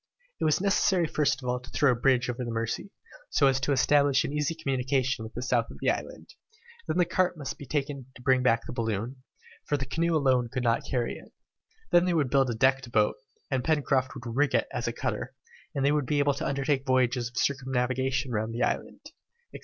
It was necessary first of all to throw a bridge over the Mercy, so as to establish an easy communication with the south of the island; then the cart must be taken to bring back the balloon, for the canoe alone could not carry it, then they would build a decked boat, and Pencroft would rig it as a cutter, and they would be able to undertake voyages of circumnavigation round the island, etc.